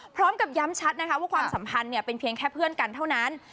พร้อมกับย้ำชัดนะคะว่าความสัมพันธ์เป็นเพียงแค่เพื่อนกันเท่านั้น